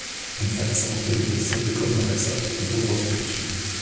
In fact, some readers simply could not accept that the book was fiction.